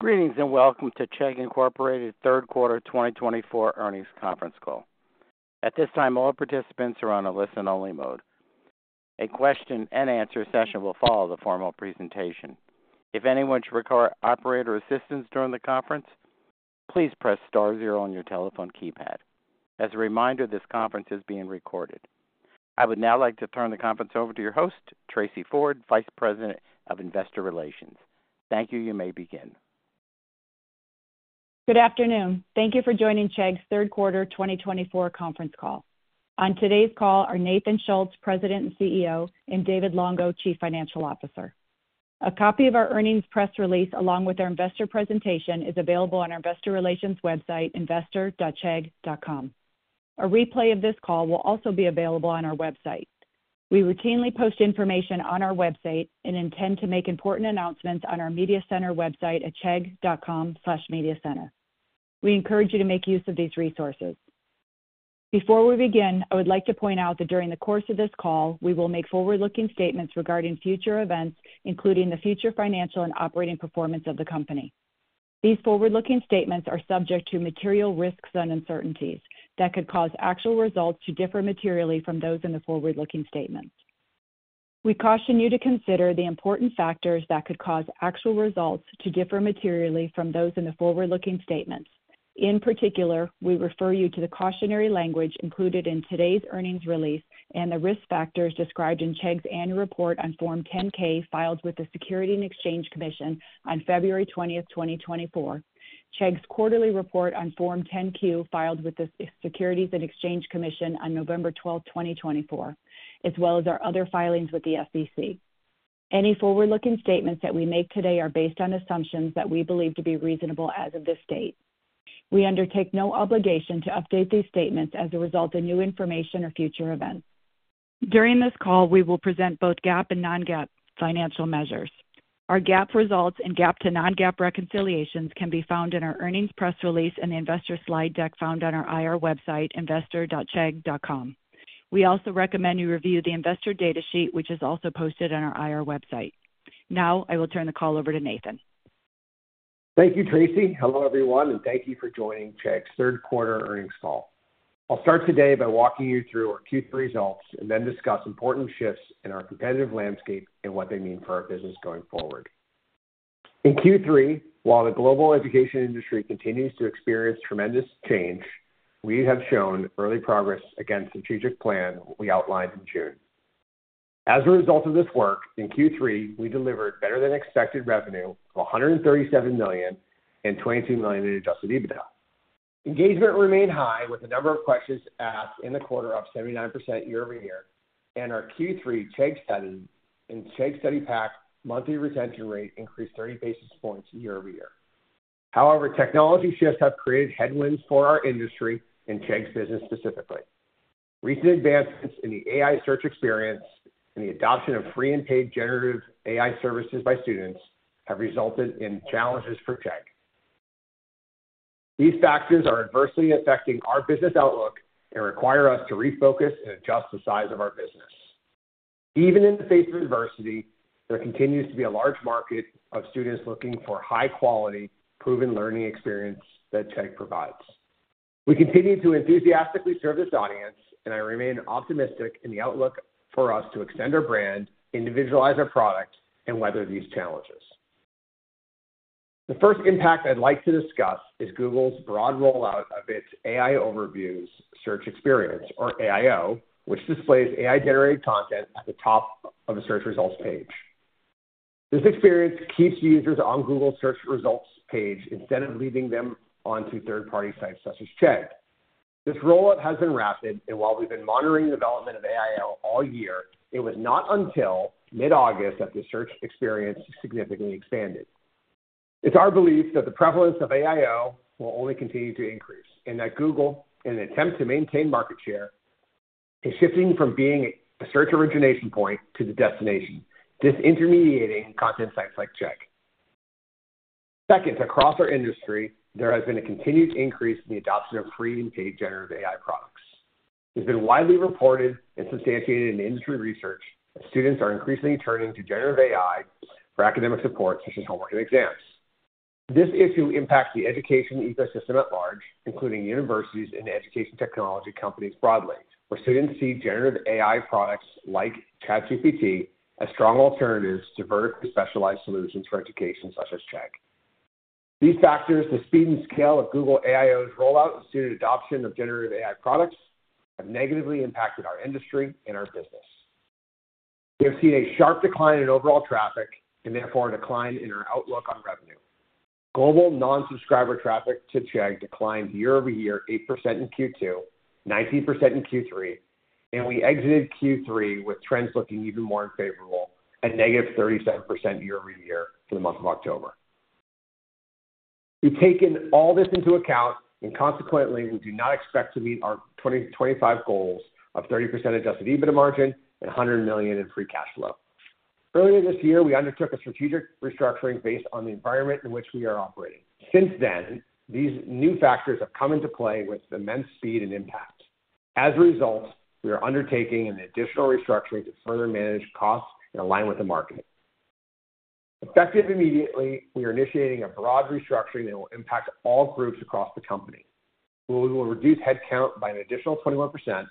Greetings and welcome to Chegg Incorporated's Q3 2024 Earnings Conference Call. At this time, all participants are on a listen-only mode. A question-and-answer session will follow the formal presentation. If anyone should require operator assistance during the conference, please press star zero on your telephone keypad. As a reminder, this conference is being recorded. I would now like to turn the conference over to your host, Tracey Ford, Vice President of Investor Relations. Thank you. You may begin. Good afternoon. Thank you for joining Chegg's Q3 2024 Conference Call. On today's call are Nathan Schultz, President and CEO, and David Longo, Chief Financial Officer. A copy of our earnings press release along with our investor presentation is available on our investor relations website, investor.chegg.com. A replay of this call will also be available on our website. We routinely post information on our website and intend to make important announcements on our media center website at chegg.com/media-center. We encourage you to make use of these resources. Before we begin, I would like to point out that during the course of this call, we will make forward-looking statements regarding future events, including the future financial and operating performance of the company. These forward-looking statements are subject to material risks and uncertainties that could cause actual results to differ materially from those in the forward-looking statements. We caution you to consider the important factors that could cause actual results to differ materially from those in the forward-looking statements. In particular, we refer you to the cautionary language included in today's earnings release and the risk factors described in Chegg's annual report on Form 10-K filed with the Securities and Exchange Commission on February 20, 2024, Chegg's quarterly report on Form 10-Q filed with the Securities and Exchange Commission on November 12, 2024, as well as our other filings with the SEC. Any forward-looking statements that we make today are based on assumptions that we believe to be reasonable as of this date. We undertake no obligation to update these statements as a result of new information or future events. During this call, we will present both GAAP and non-GAAP financial measures. Our GAAP results and GAAP-to-non-GAAP reconciliations can be found in our earnings press release and the investor slide deck found on our IR website, investor.chegg.com. We also recommend you review the investor data sheet, which is also posted on our IR website. Now, I will turn the call over to Nathan. Thank you, Tracey. Hello, everyone, and thank you for joining Chegg's Q3 Earnings Call. I'll start today by walking you through our Q3 results and then discuss important shifts in our competitive landscape and what they mean for our business going forward. In Q3, while the global education industry continues to experience tremendous change, we have shown early progress against the strategic plan we outlined in June. As a result of this work, in Q3, we delivered better-than-expected revenue of $137 and 22 million in Adjusted EBITDA. Engagement remained high, with the number of questions asked in the quarter up 79% year-over-year, and our Q3 Chegg Study and Chegg Study Pack monthly retention rate increased 30 basis points year-over-year. However, technology shifts have created headwinds for our industry and Chegg's business specifically. Recent advancements in the AI search experience and the adoption of free and paid generative AI services by students have resulted in challenges for Chegg. These factors are adversely affecting our business outlook and require us to refocus and adjust the size of our business. Even in the face of adversity, there continues to be a large market of students looking for high-quality, proven learning experience that Chegg provides. We continue to enthusiastically serve this audience, and I remain optimistic in the outlook for us to extend our brand, individualize our product, and weather these challenges. The first impact I'd like to discuss is Google's broad rollout of its AI Overviews search experience, or AIO, which displays AI-generated content at the top of the search results page. This experience keeps users on Google's search results page instead of leading them onto third-party sites such as Chegg. This rollout has been rapid, and while we've been monitoring the development of AIO all year, it was not until mid-August that the search experience significantly expanded. It's our belief that the prevalence of AIO will only continue to increase and that Google, in an attempt to maintain market share, is shifting from being a search origination point to the destination, disintermediating content sites like Chegg. Second, across our industry, there has been a continued increase in the adoption of free and paid generative AI products. It's been widely reported and substantiated in industry research that students are increasingly turning to generative AI for academic support, such as homework and exams. This issue impacts the education ecosystem at large, including universities and education technology companies broadly, where students see generative AI products like ChatGPT as strong alternatives to vertically specialized solutions for education such as Chegg. These factors, the speed and scale of google AI Overviews' rollout and student adoption of generative AI products, have negatively impacted our industry and our business. We have seen a sharp decline in overall traffic and, therefore, a decline in our outlook on revenue. Global non-subscriber traffic to Chegg declined year-over-year 8% in Q2, 19% in Q3, and we exit Q3 with trends looking even more unfavorable at negative 37% year-over-year for the month of October. We've taken all this into account, and consequently, we do not expect to meet our 2025 goals of 30% Adjusted EBITDA margin and $100 million in free cash flow. Earlier this year, we undertook a strategic restructuring based on the environment in which we are operating. Since then, these new factors have come into play with immense speed and impact. As a result, we are undertaking an additional restructuring to further manage costs in line with the market. Effective immediately, we are initiating a broad restructuring that will impact all groups across the company. We will reduce headcount by an additional 21%.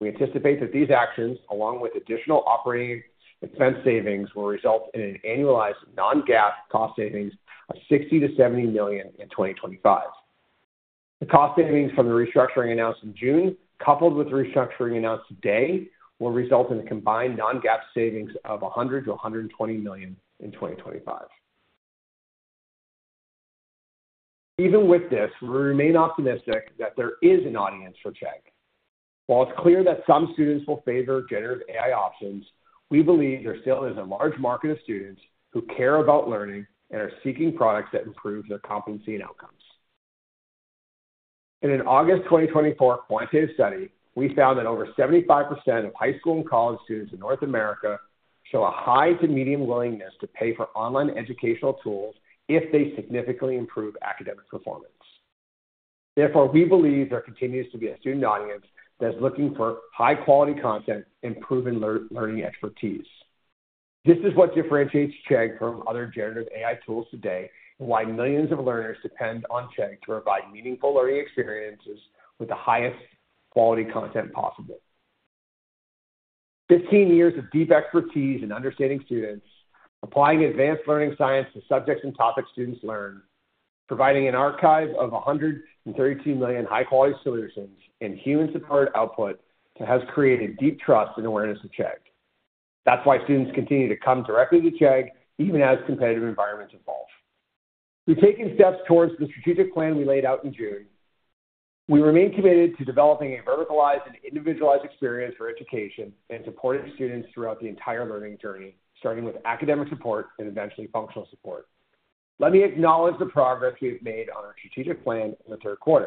We anticipate that these actions, along with additional operating expense savings, will result in an annualized non-GAAP cost savings of $60-70 million in 2025. The cost savings from the restructuring announced in June, coupled with the restructuring announced today, will result in a combined non-GAAP savings of $100-120 million in 2025. Even with this, we remain optimistic that there is an audience for Chegg. While it's clear that some students will favor generative AI options, we believe there still is a large market of students who care about learning and are seeking products that improve their competency and outcomes. In an August 2024 quantitative study, we found that over 75% of high school and college students in North America show a high to medium willingness to pay for online educational tools if they significantly improve academic performance. Therefore, we believe there continues to be a student audience that is looking for high-quality content and proven learning expertise. This is what differentiates Chegg from other generative AI tools today and why millions of learners depend on Chegg to provide meaningful learning experiences with the highest quality content possible. 15 years of deep expertise in understanding students, applying advanced learning science to subjects and topics students learn, providing an archive of 132 million high-quality solutions and human-supported output has created deep trust and awareness of Chegg. That's why students continue to come directly to Chegg, even as competitive environments evolve. We've taken steps towards the strategic plan we laid out in June. We remain committed to developing a verticalized and individualized experience for education and supporting students throughout the entire learning journey, starting with academic support and eventually functional support. Let me acknowledge the progress we have made on our strategic plan in Q3.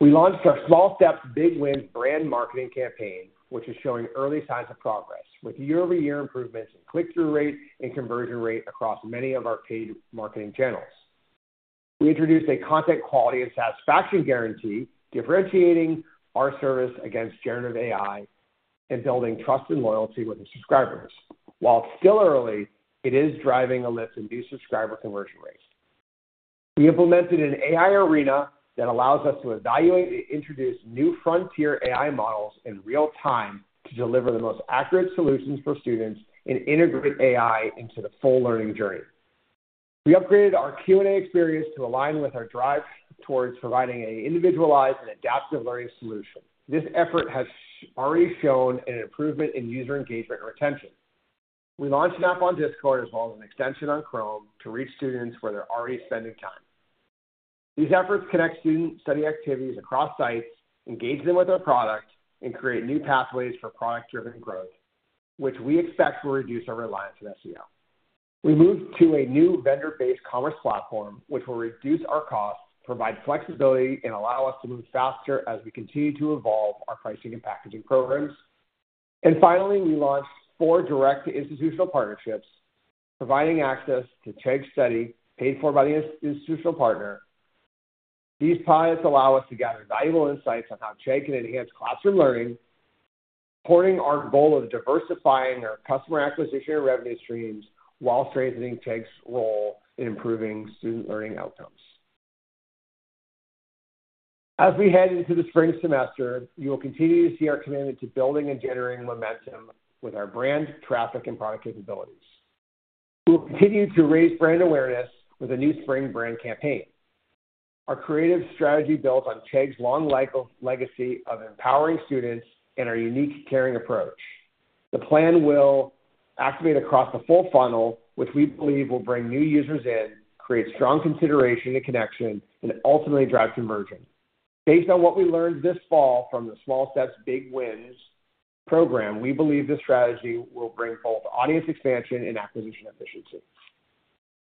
We launched our Small Steps, Big Wins brand marketing campaign, which is showing early signs of progress with year-over-year improvements in click-through rate and conversion rate across many of our paid marketing channels. We introduced a content quality and satisfaction guarantee, differentiating our service against generative AI and building trust and loyalty with our subscribers. While it's still early, it is driving a lift in new subscriber conversion rates. We implemented an AI arena that allows us to evaluate and introduce new frontier AI models in real time to deliver the most accurate solutions for students and integrate AI into the full learning journey. We upgraded our Q&A experience to align with our drive towards providing an individualized and adaptive learning solution. This effort has already shown an improvement in user engagement and retention. We launched an app on Discord as well as an extension on Chrome to reach students where they're already spending time. These efforts connect student study activities across sites, engage them with our product, and create new pathways for product-driven growth, which we expect will reduce our reliance on SEO. We moved to a new vendor-based commerce platform, which will reduce our costs, provide flexibility, and allow us to move faster as we continue to evolve our pricing and packaging programs. Finally, we launched four direct institutional partnerships, providing access to Chegg Study paid for by the institutional partner. These pilots allow us to gather valuable insights on how Chegg can enhance classroom learning, supporting our goal of diversifying our customer acquisition and revenue streams while strengthening Chegg's role in improving student learning outcomes. As we head into the spring semester, you will continue to see our commitment to building and generating momentum with our brand, traffic, and product capabilities. We will continue to raise brand awareness with a new spring brand campaign, our creative strategy built on Chegg's long legacy of empowering students and our unique caring approach. The plan will activate across the full funnel, which we believe will bring new users in, create strong consideration and connection, and ultimately drive conversion. Based on what we learned this fall from the Small Steps, Big Wins program, we believe this strategy will bring both audience expansion and acquisition efficiency.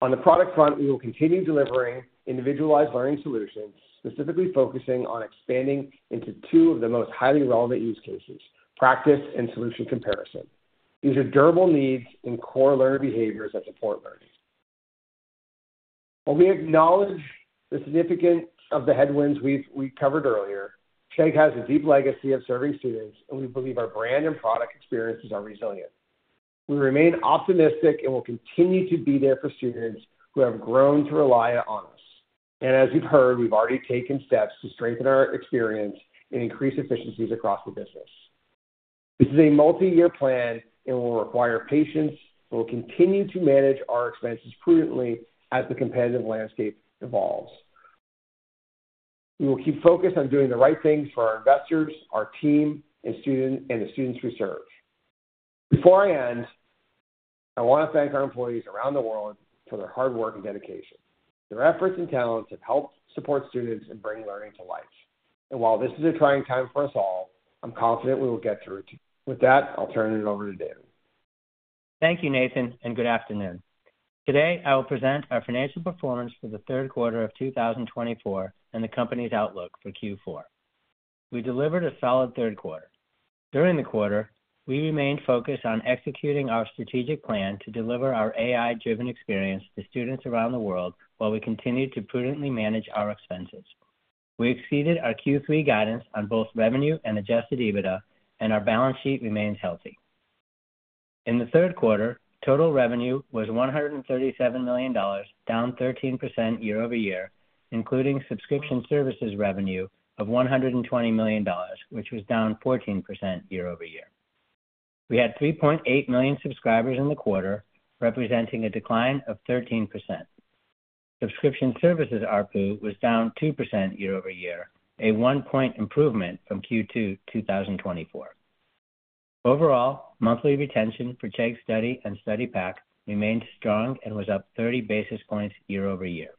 On the product front, we will continue delivering individualized learning solutions, specifically focusing on expanding into two of the most highly relevant use cases: practice and solution comparison. These are durable needs and core learner behaviors that support learning. While we acknowledge the significance of the headwinds we covered earlier, Chegg has a deep legacy of serving students, and we believe our brand and product experiences are resilient. We remain optimistic and will continue to be there for students who have grown to rely on us, and as you've heard, we've already taken steps to strengthen our experience and increase efficiencies across the business. This is a multi-year plan and will require patience, but we'll continue to manage our expenses prudently as the competitive landscape evolves. We will keep focused on doing the right things for our investors, our team, and the students we serve. Before I end, I want to thank our employees around the world for their hard work and dedication. Their efforts and talents have helped support students and bring learning to life. And while this is a trying time for us all, I'm confident we will get through it. With that, I'll turn it over to David. Thank you, Nathan, and good afternoon. Today, I will present our financial performance for the Q3 of 2024 and the company's outlook for Q4. We delivered a solid Q3. During the quarter, we remained focused on executing our strategic plan to deliver our AI-driven experience to students around the world while we continued to prudently manage our expenses. We exceeded our Q3 guidance on both revenue and Adjusted EBITDA, and our balance sheet remains healthy. In Q3, total revenue was $137 million, down 13% year-over-year, including subscription services revenue of $120 million, which was down 14% year-over-year. We had 3.8 million subscribers in the quarter, representing a decline of 13%. Subscription services ARPU was down 2% year-over-year, a one-point improvement from Q2 2024. Overall, monthly retention for Chegg Study and Chegg Study Pack remained strong and was up 30 basis points year-over-year.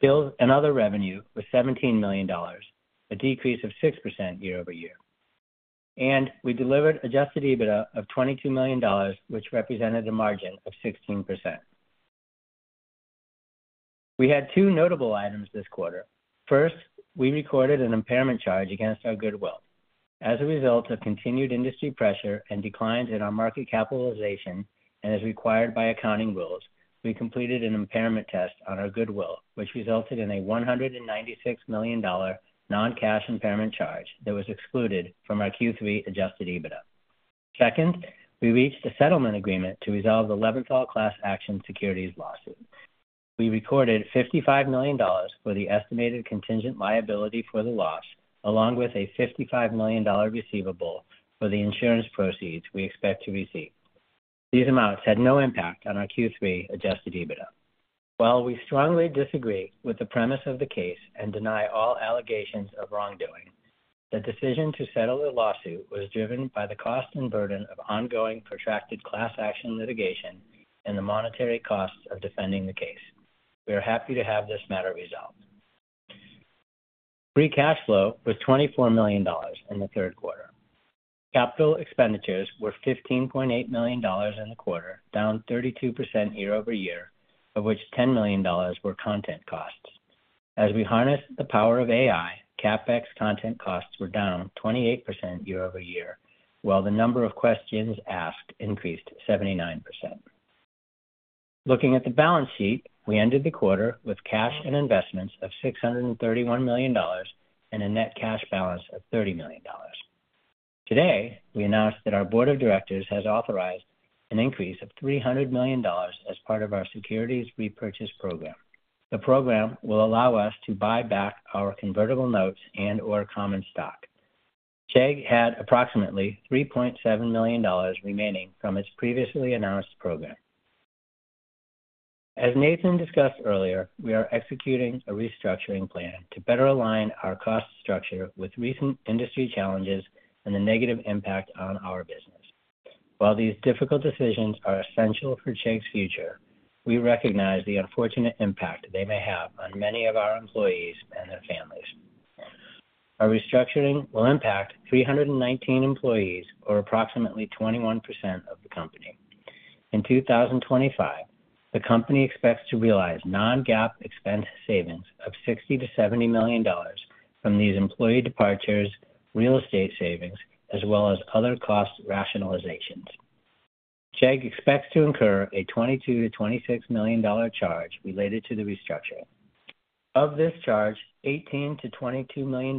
Sales and other revenue was $17 million, a decrease of 6% year-over-year. We delivered adjusted EBITDA of $22 million, which represented a margin of 16%. We had two notable items this quarter. First, we recorded an impairment charge against our goodwill. As a result of continued industry pressure and declines in our market capitalization and as required by accounting rules, we completed an impairment test on our goodwill, which resulted in a $196 million non-cash impairment charge that was excluded from our Q3 adjusted EBITDA. Second, we reached a settlement agreement to resolve the Leventhal Class Action Securities lawsuit. We recorded $55 million for the estimated contingent liability for the loss, along with a $55 million receivable for the insurance proceeds we expect to receive. These amounts had no impact on our Q3 adjusted EBITDA. While we strongly disagree with the premise of the case and deny all allegations of wrongdoing, the decision to settle the lawsuit was driven by the cost and burden of ongoing protracted class action litigation and the monetary costs of defending the case. We are happy to have this matter resolved. Free cash flow was $24 million in Q3. Capital expenditures were $15.8 million in the quarter, down 32% year-over-year, of which $10 million were content costs. As we harnessed the power of AI, CapEx content costs were down 28% year-over-year, while the number of questions asked increased 79%. Looking at the balance sheet, we ended the quarter with cash and investments of $631 million and a net cash balance of $30 million. Today, we announced that our board of directors has authorized an increase of $300 million as part of our securities repurchase program. The program will allow us to buy back our convertible notes and/or common stock. Chegg had approximately $3.7 million remaining from its previously announced program. As Nathan discussed earlier, we are executing a restructuring plan to better align our cost structure with recent industry challenges and the negative impact on our business. While these difficult decisions are essential for Chegg's future, we recognize the unfortunate impact they may have on many of our employees and their families. Our restructuring will impact 319 employees, or approximately 21% of the company. In 2025, the company expects to realize non-GAAP expense savings of $60-70 million from these employee departures, real estate savings, as well as other cost rationalizations. Chegg expects to incur a $22-26 million charge related to the restructuring. Of this charge, $18-22 million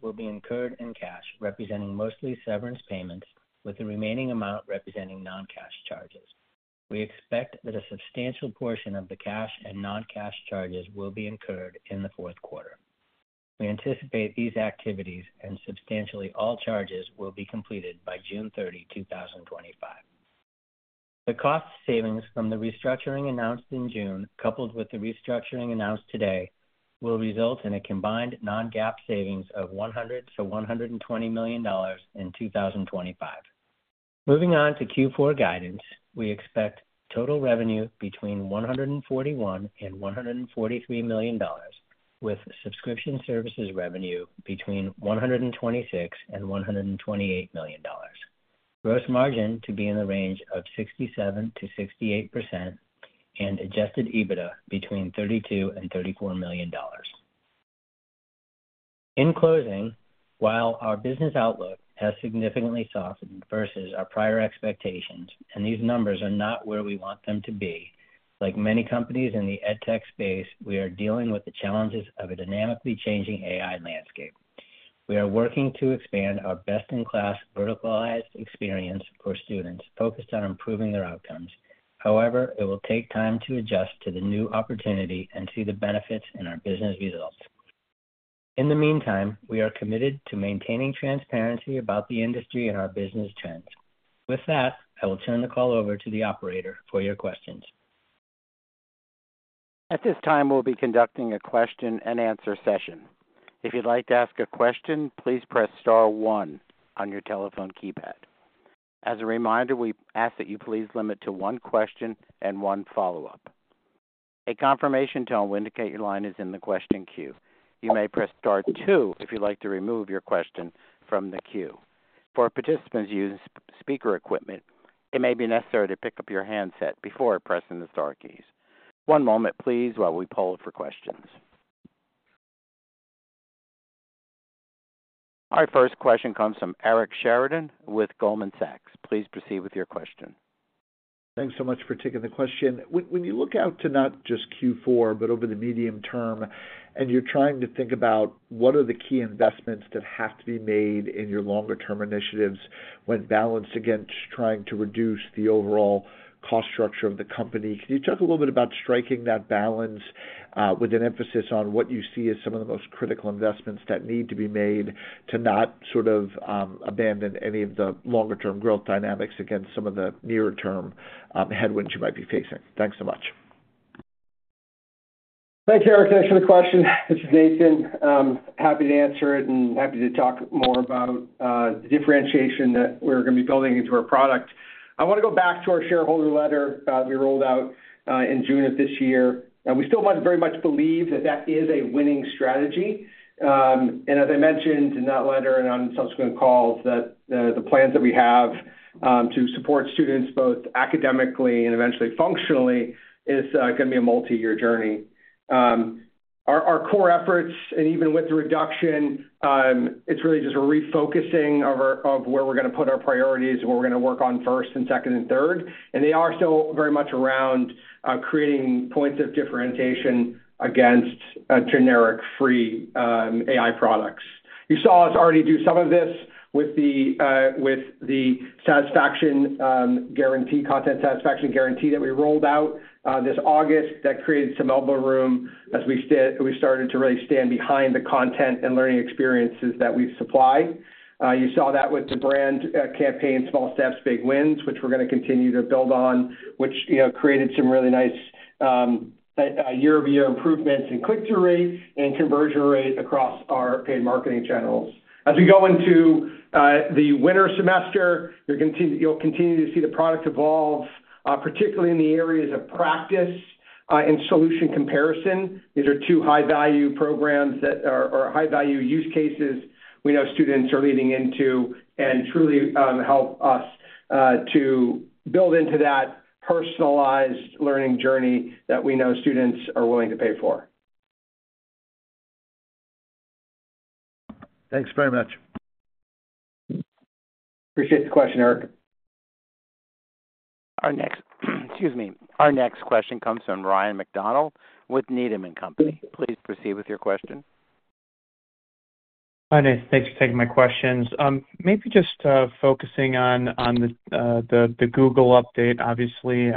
will be incurred in cash, representing mostly severance payments, with the remaining amount representing non-cash charges. We expect that a substantial portion of the cash and non-cash charges will be incurred in Q4. We anticipate these activities and substantially all charges will be completed by June 30, 2025. The cost savings from the restructuring announced in June, coupled with the restructuring announced today, will result in a combined non-GAAP savings of $100-120 million in 2025. Moving on to Q4 guidance, we expect total revenue between $141 and 143 million, with subscription services revenue between $126 and 128 million. Gross margin to be in the range of 67%-68%, and Adjusted EBITDA between $32 and 34 million. In closing, while our business outlook has significantly softened versus our prior expectations, and these numbers are not where we want them to be, like many companies in the edtech space, we are dealing with the challenges of a dynamically changing AI landscape. We are working to expand our best-in-class verticalized experience for students focused on improving their outcomes. However, it will take time to adjust to the new opportunity and see the benefits in our business results. In the meantime, we are committed to maintaining transparency about the industry and our business trends. With that, I will turn the call over to the operator for your questions. At this time, we'll be conducting a question-and-answer session. If you'd like to ask a question, please press star one on your telephone keypad. As a reminder, we ask that you please limit to one question and one follow-up. A confirmation tone will indicate your line is in the question queue. You may press star two if you'd like to remove your question from the queue. For participants using speaker equipment, it may be necessary to pick up your handset before pressing the star keys. One moment, please, while we poll for questions. Our first question comes from Eric Sheridan with Goldman Sachs. Please proceed with your question. Thanks so much for taking the question. When you look out to not just Q4, but over the medium term, and you're trying to think about what are the key investments that have to be made in your longer-term initiatives when balanced against trying to reduce the overall cost structure of the company, can you talk a little bit about striking that balance with an emphasis on what you see as some of the most critical investments that need to be made to not sort of abandon any of the longer-term growth dynamics against some of the near-term headwinds you might be facing? Thanks so much. Thanks, Eric. Thanks for the question. This is Nathan. Happy to answer it and happy to talk more about the differentiation that we're going to be building into our product. I want to go back to our shareholder letter that we rolled out in June of this year. We still very much believe that that is a winning strategy. And as I mentioned in that letter and on subsequent calls, that the plans that we have to support students both academically and eventually functionally is going to be a multi-year journey. Our core efforts, and even with the reduction, it's really just refocusing of where we're going to put our priorities, where we're going to work on first and second and third. And they are still very much around creating points of differentiation against generic free AI products. You saw us already do some of this with the satisfaction guarantee, content satisfaction guarantee that we rolled out this August that created some elbow room as we started to really stand behind the content and learning experiences that we supply. You saw that with the brand campaign, Small Steps, Big Wins, which we're going to continue to build on, which created some really nice year-over-year improvements in click-through rate and conversion rate across our paid marketing channels. As we go into the winter semester, you'll continue to see the product evolve, particularly in the areas of practice and solution comparison. These are two high-value programs that are high-value use cases we know students are leaning into and truly help us to build into that personalized learning journey that we know students are willing to pay for. Thanks very much. Appreciate the question, Eric. Our next question comes from Ryan MacDonald with Needham & Company. Please proceed with your question. Hi, Nathan. Thanks for taking my questions. Maybe just focusing on the Google update, obviously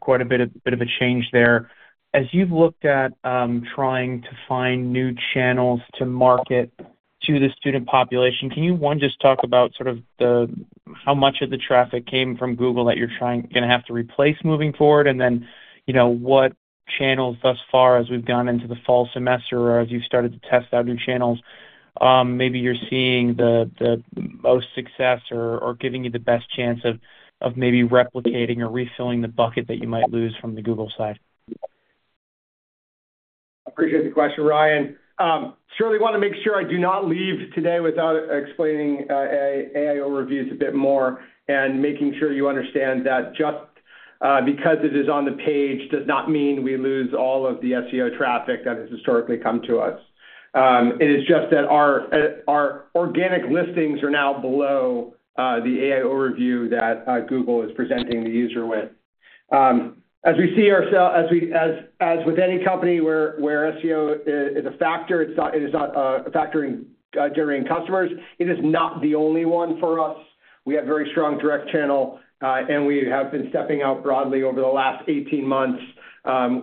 quite a bit of a change there. As you've looked at trying to find new channels to market to the student population, can you one just talk about sort of how much of the traffic came from Google that you're going to have to replace moving forward? And then what channels thus far, as we've gone into the fall semester or as you've started to test out new channels, maybe you're seeing the most success or giving you the best chance of maybe replicating or refilling the bucket that you might lose from the Google side? I appreciate the question, Ryan. I surely want to make sure I do not leave today without explaining AI Overviews a bit more and making sure you understand that just because it is on the page does not mean we lose all of the SEO traffic that has historically come to us. It is just that our organic listings are now below the AI Overview that Google is presenting the user with. As we see ourselves, as with any company where SEO is a factor, it is not a factor in generating customers. It is not the only one for us. We have very strong direct channel, and we have been stepping out broadly over the last 18 months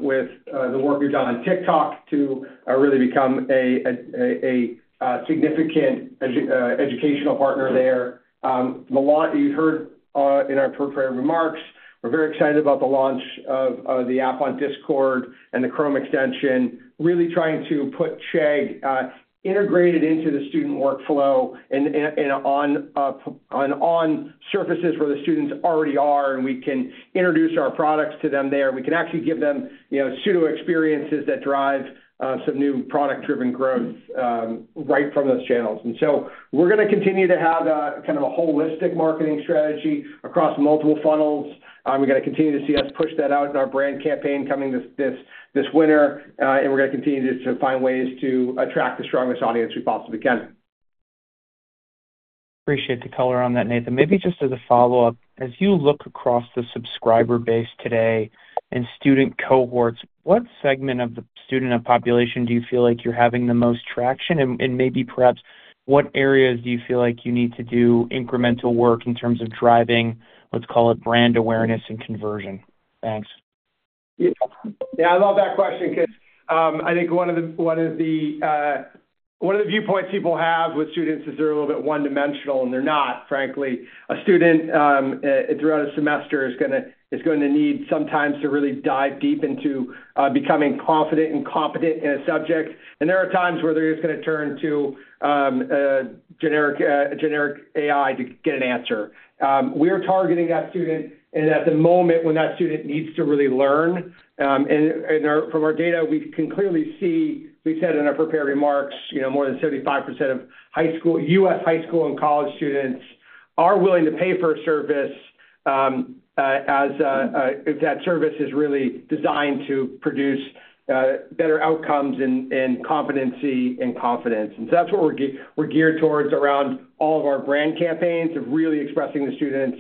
with the work we've done on TikTok to really become a significant educational partner there. You've heard in our preparatory remarks, we're very excited about the launch of the app on Discord and the Chrome extension, really trying to put Chegg integrated into the student workflow and on surfaces where the students already are, and we can introduce our products to them there. We can actually give them pseudo experiences that drive some new product-driven growth right from those channels, and so we're going to continue to have kind of a holistic marketing strategy across multiple funnels. We're going to continue to see us push that out in our brand campaign coming this winter, and we're going to continue to find ways to attract the strongest audience we possibly can. Appreciate the color on that, Nathan. Maybe just as a follow-up, as you look across the subscriber base today and student cohorts, what segment of the student population do you feel like you're having the most traction? And maybe perhaps what areas do you feel like you need to do incremental work in terms of driving, let's call it, brand awareness and conversion? Thanks. Yeah, I love that question because I think one of the viewpoints people have with students is they're a little bit one-dimensional, and they're not, frankly. A student throughout a semester is going to need some time to really dive deep into becoming confident and competent in a subject. And there are times where they're just going to turn to generic AI to get an answer. We are targeting that student at the moment when that student needs to really learn. And from our data, we can clearly see. We said in our preparatory remarks, more than 75% of U.S. high school and college students are willing to pay for a service if that service is really designed to produce better outcomes and competency and confidence. And so that's what we're geared towards around all of our brand campaigns of really expressing to students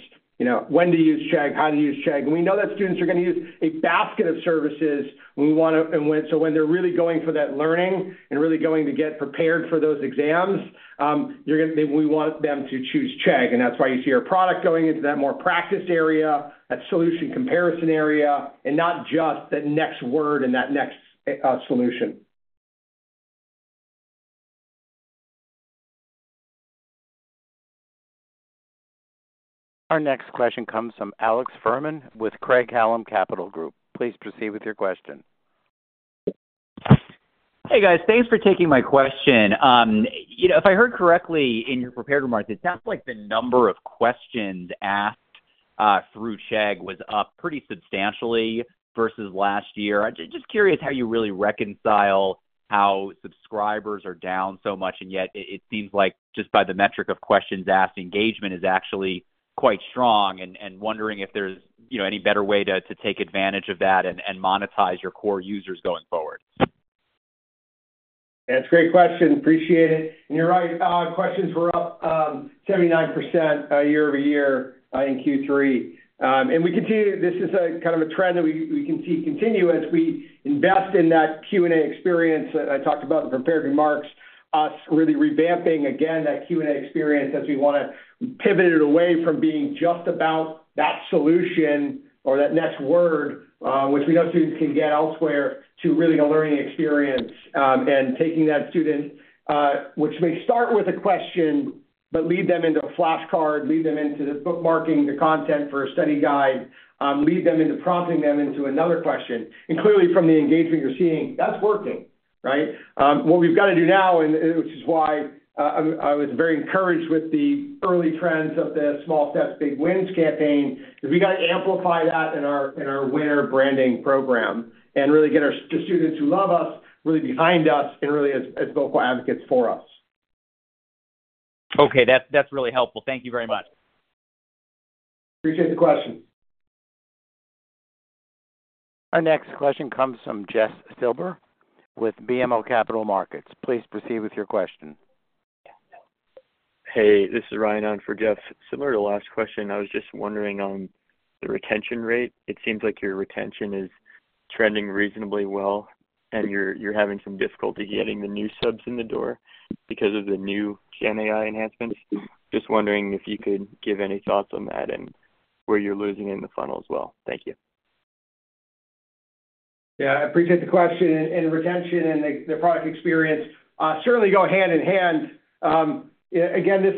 when to use Chegg, how to use Chegg. And we know that students are going to use a basket of services. So when they're really going for that learning and really going to get prepared for those exams, we want them to choose Chegg. And that's why you see our product going into that more practice area, that solution comparison area, and not just that next word and that next solution. Our next question comes from Alex Fuhrman with Craig-Hallum Capital Group. Please proceed with your question. Hey, guys. Thanks for taking my question. If I heard correctly in your preparatory remarks, it sounds like the number of questions asked through Chegg was up pretty substantially versus last year. I'm just curious how you really reconcile how subscribers are down so much, and yet it seems like just by the metric of questions asked, engagement is actually quite strong, and wondering if there's any better way to take advantage of that and monetize your core users going forward. That's a great question. Appreciate it, and you're right. Questions were up 79% year over year in Q3, and this is kind of a trend that we can see continue. As we invest in that Q&A experience I talked about in the preparatory remarks, us really revamping again that Q&A experience as we want to pivot it away from being just about that solution or that next word, which we know students can get elsewhere, to really a learning experience, and taking that student, which may start with a question, but lead them into a flashcard, lead them into the bookmarking, the content for a study guide, lead them into prompting them into another question, and clearly, from the engagement you're seeing, that's working, right? What we've got to do now, which is why I was very encouraged with the early trends of the Small Steps, Big Wins campaign, is we got to amplify that in our winter branding program and really get our students who love us really behind us and really as vocal advocates for us. Okay. That's really helpful. Thank you very much. Appreciate the question. Our next question comes from Jeff Silber with BMO Capital Markets. Please proceed with your question. Hey, this is Ryan on for Jeff. Similar to last question, I was just wondering on the retention rate. It seems like your retention is trending reasonably well, and you're having some difficulty getting the new subs in the door because of the new GenAI enhancements. Just wondering if you could give any thoughts on that and where you're losing in the funnel as well. Thank you. Yeah, I appreciate the question, and retention and the product experience certainly go hand in hand. Again, this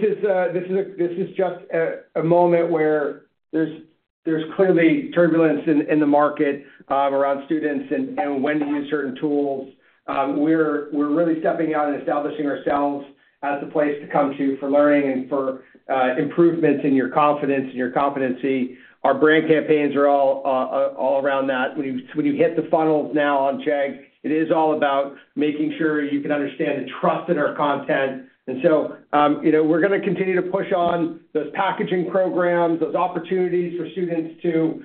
is just a moment where there's clearly turbulence in the market around students and when to use certain tools. We're really stepping out and establishing ourselves as the place to come to for learning and for improvements in your confidence and your competency. Our brand campaigns are all around that. When you hit the funnel now on Chegg, it is all about making sure you can understand and trust in our content, and so we're going to continue to push on those packaging programs, those opportunities for students to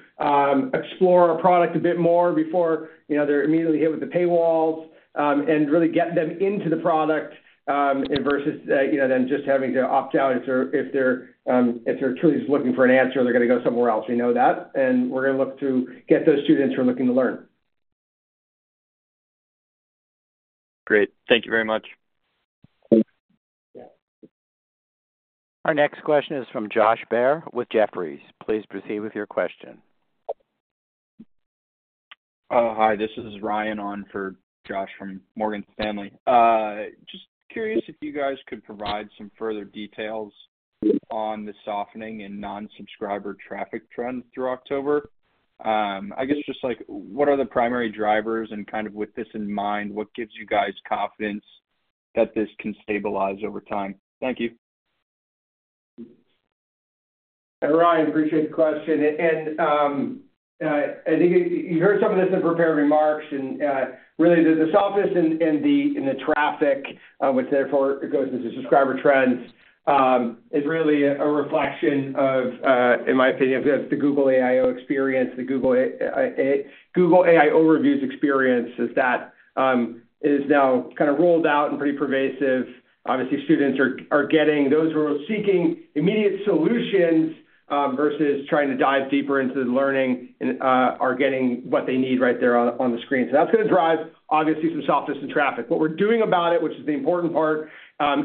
explore our product a bit more before they're immediately hit with the paywalls and really get them into the product versus them just having to opt out. If they're truly just looking for an answer, they're going to go somewhere else. We know that, and we're going to look to get those students who are looking to learn. Great. Thank you very much. Our next question is from Josh Baer with Jefferies. Please proceed with your question. Hi, this is Ryan on for Josh from Morgan Stanley. Just curious if you guys could provide some further details on the softening in non-subscriber traffic trends through October. I guess just what are the primary drivers? And kind of with this in mind, what gives you guys confidence that this can stabilize over time? Thank you. Ryan, appreciate the question. I think you heard some of this in preparatory remarks. Really, the softness in the traffic, which therefore goes into subscriber trends, is really a reflection of, in my opinion, the google AI Overviews experience, the Google AI Overviews experience that is now kind of rolled out and pretty pervasive. Obviously, students are getting those who are seeking immediate solutions versus trying to dive deeper into the learning are getting what they need right there on the screen. So that's going to drive, obviously, some softness in traffic. What we're doing about it, which is the important part,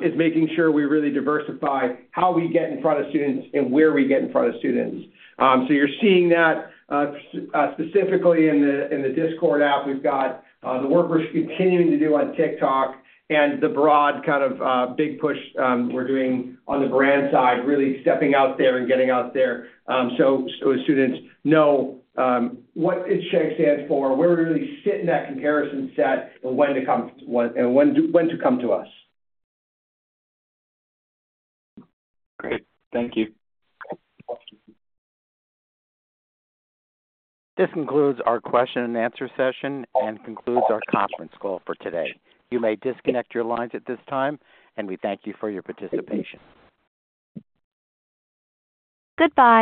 is making sure we really diversify how we get in front of students and where we get in front of students. So you're seeing that specifically in the Discord app. We've got the work we're continuing to do on TikTok and the broad kind of big push we're doing on the brand side, really stepping out there and getting out there so students know what Chegg stands for, where we really sit in that comparison set, and when to come to us. Great. Thank you. This concludes our question and answer session and concludes our conference call for today. You may disconnect your lines at this time, and we thank you for your participation. Goodbye.